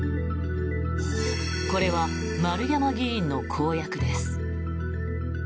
これは丸山議員の公約です。